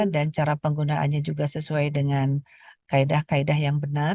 dan cara penggunaannya juga sesuai dengan kaedah kaedah yang benar